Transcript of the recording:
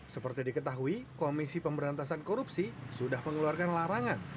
seperti diketahui komisi pemberantasan korupsi sudah mengeluarkan larangan